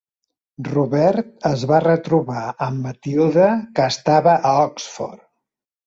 Robert es va retrobar amb Matilde, que estava a Oxford.